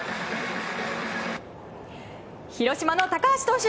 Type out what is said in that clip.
広島の高橋投手